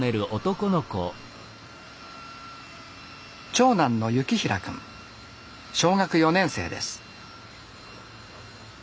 長男の倖成君小学４年生です。